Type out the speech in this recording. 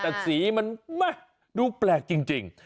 แต่สีมันดูแปลกจริง